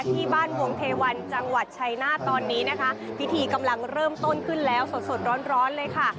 ที่บ้านวงเทวันจังหวัดชัยนาธตอนนี้นะคะพิธีกำลังเริ่มต้นขึ้นแล้วสดสดร้อนร้อนเลยค่ะ